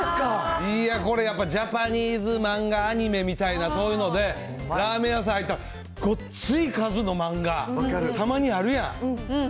いや、これ、やっぱジャパニーズ漫画、アニメみたいなそういうので、ラーメン屋さんに入ったら、ごっつい数の漫画、たまにあるやん。